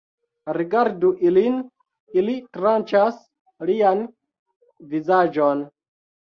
Rigardu ilin, ili tranĉas lian vizaĝon